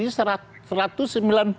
jadi itu harus